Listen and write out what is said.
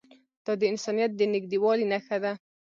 دا د انسانیت د نږدېوالي نښه ده.